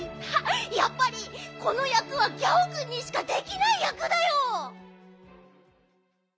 やっぱりこのやくはギャオくんにしかできないやくだよ。